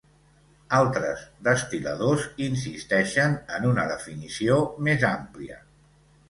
Altres destil·ladors insisteixen en una definició més àmplia.